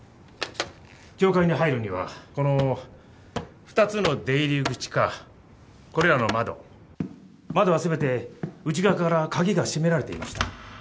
教会に入るにはこの２つの出入り口かこれらの窓窓は全て内側から鍵が閉められていました。